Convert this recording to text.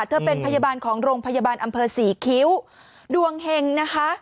เธอเป็นพยาบาลของโรงพยาบาลอำเภอศรีคิ้วดวงเห็งนะคะ